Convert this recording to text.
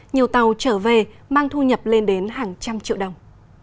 nhiều tàu trở về mang thu nhập lên đến hàng trăm triệu đồng